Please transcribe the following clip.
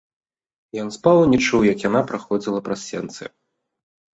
Ён спаў і не чуў, як яна праходзіла праз сенцы.